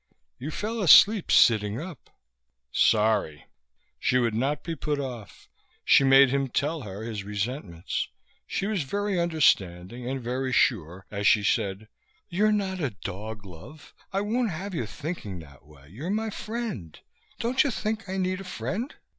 You fell asleep sitting up." "Sorry." She would not be put off. She made him tell her his resentments. She was very understanding and very sure as she said, "You're not a dog, love. I won't have you thinking that way. You're my friend. Don't you think I need a friend?"